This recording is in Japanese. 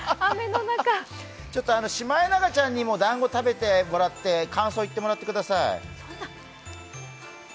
ちょっとシマエナガちゃんにもだんご食べて感想言ってもらってください。